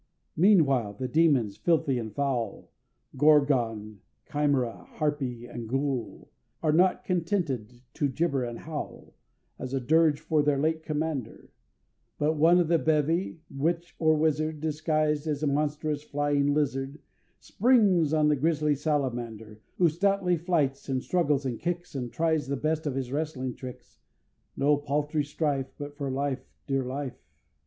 Meanwhile the demons, filthy and foul, Gorgon, Chimera, Harpy, and Ghoul, Are not contented to jibber and howl As a dirge for their late commander; But one of the bevy witch or wizard, Disguised as a monstrous flying lizard, Springs on the grisly Salamander, Who stoutly fights, and struggles, and kicks. And tries the best of his wrestling tricks, No paltry strife, But for life, dear life.